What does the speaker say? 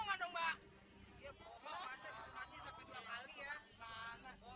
kalau bapak bapak dan ibu ibu